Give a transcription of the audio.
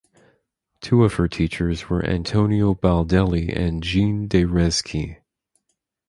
Two of her teachers were Antonio Baldelli and Jean de Reszke.